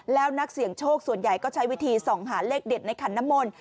แล้วนักเสี่ยงโชคส่วนใหญ่ก็ใช้วิธีส่องหาเลขเด็ดในขันน้ำมนต์